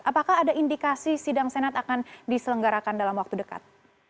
apakah ada indikasi sidang senat akan diselenggarakan dalam waktu dekat